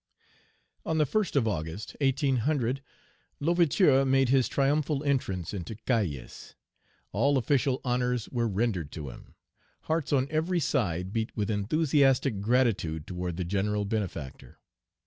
ON the first of August, 1800, L'Ouverture made his triumphal entrance into Cayes. All official honors were rendered to him. Hearts on every side beat with enthusiastic gratitude toward the general benefactor.